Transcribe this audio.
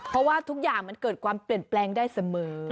เพราะว่าทุกอย่างมันเกิดความเปลี่ยนแปลงได้เสมอ